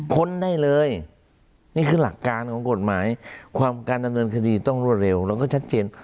ค้นได้เลยนี่คือหลักการของกฎหมายความการดำเนินคดีต้องรวดเร็วแล้วก็ชัดเจน